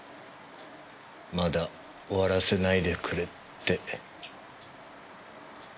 まだ終わらせないでくれって。